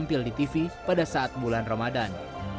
tampil di tv pada saat bulan ramadan